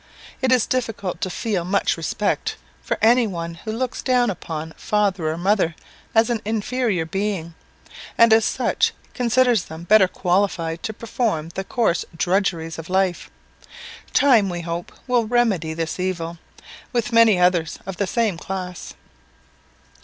It is difficult to feel much respect for any one who looks down upon father or mother as an inferior being, and, as such, considers them better qualified to perform the coarse drudgeries of life. Time, we hope, will remedy this evil, with many others of the same class.